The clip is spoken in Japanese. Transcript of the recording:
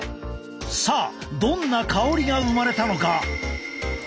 さあどんな香りが生まれたのか？